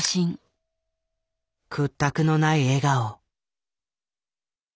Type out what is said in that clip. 屈託のない笑顔。